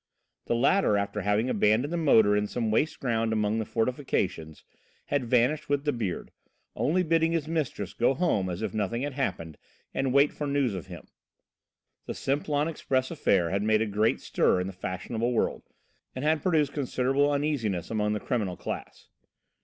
The latter, after having abandoned the motor in some waste ground among the fortifications, had vanished with the Beard, only bidding his mistress go home as if nothing had happened and wait for news of him. The Simplon Express affair had made a great stir in the fashionable world, and had produced considerable uneasiness among the criminal class.